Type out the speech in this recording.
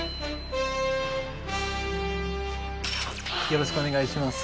よろしくお願いします。